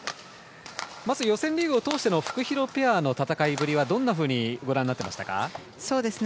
まず予選リーグを通してのフクヒロペアの戦いぶりはどんなふうにご覧になりましたか。